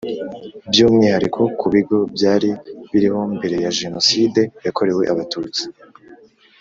By umwihariko ku bigo byari biriho mbere ya jenoside yakorewe abatutsi